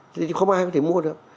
thì không ai có thể mua được